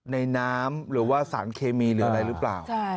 ในน้ำหรือว่าสารเคมีหรืออะไรหรือเปล่า